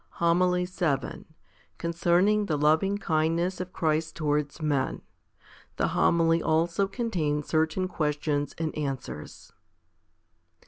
HOMILY VII Concerning the loving kindness of Christ towards men. The Homily also contains certain questions and answers.